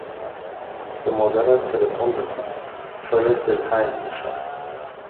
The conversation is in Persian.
به مادرت تلفن بزن; شاید دلتنگ باشد.